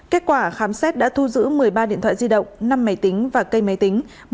kết quả khám xét đã thu giữ một mươi ba điện thoại di động năm máy tính và cây máy tính